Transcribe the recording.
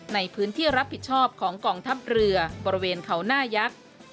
ในพื้นที่รับผิดชอบของกองทัพเรือบริเวณเขาหน้ายักษ์